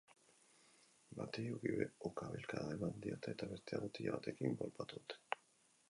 Bati ukabilkada eman diote, eta bestea botila batekin kolpatu dute.